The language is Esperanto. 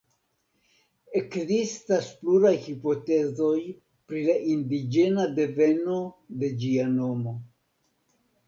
Ekzistas pluraj hipotezoj pri la indiĝena deveno de ĝia nomo.